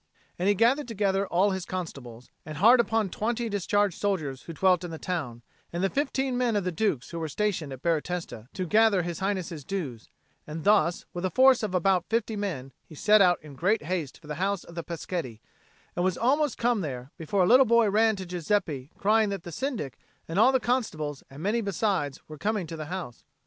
And he gathered together all his constables, and hard upon twenty discharged soldiers who dwelt in the town, and the fifteen men of the Duke's who were stationed at Baratesta to gather His Highness's dues; and thus, with a force of about fifty men, he set out in great haste for the house of the Peschetti, and was almost come there, before a little boy ran to Giuseppe crying that the Syndic and all the constables and many besides were coming to the house.